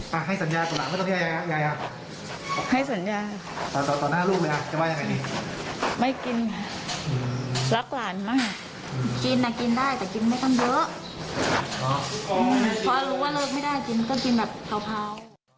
เพราะรู้ว่าเลิกไม่ได้กินก็กินแบบเผา